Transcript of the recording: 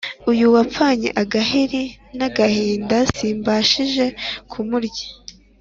Uyu wapfanye agahiri n'agahinda, simbashije kumurya